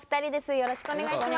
よろしくお願いします。